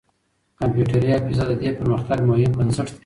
کمپيوټري حافظه د دې پرمختګ مهم بنسټ دی.